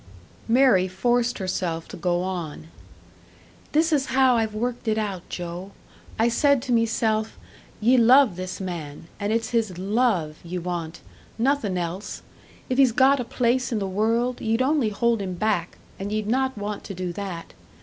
Mary forced herself to go on. "This is how I've worked it out, Joe! I said to meself, 'Ye love this man; and it's his love ye want nothin' else! If he's got a place in the world, ye'd only hold him back and ye'd not want to do that.